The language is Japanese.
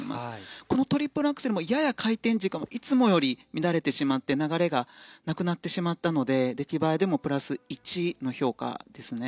このトリプルアクセルもやや回転軸がいつもより乱れてしまって流れがなくなってしまったので出来栄えでも１の評価ですね。